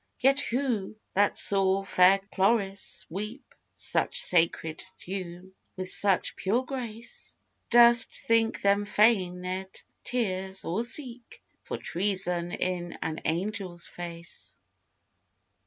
Yet who that saw fair Chloris weep Such sacred dew, with such pure grace, Durst think them feignèd tears, or seek For treason in an angel's face.